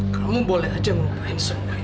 kamu boleh aja ngumpulin semua itu